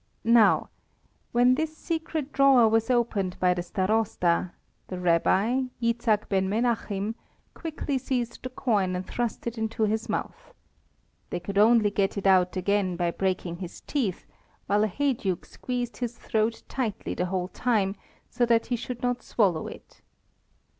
Now, when this secret drawer was opened by the Starosta, the Rabbi, Jitzchak Ben Menachim, quickly seized the coin and thrust it into his mouth. They could only get it out again by breaking his teeth, while a heyduke squeezed his throat tightly the whole time so that he should not swallow it.